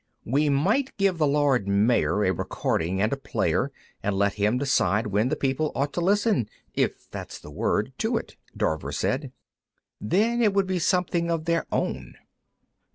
"We might give the Lord Mayor a recording and a player and let him decide when the people ought to listen if that's the word to it," Dorver said. "Then it would be something of their own."